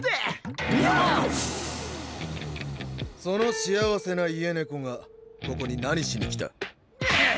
その幸せな家猫がここに何しに来た。